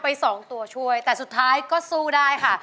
สองตัวช่วยแต่สุดท้ายก็สู้ได้ค่ะ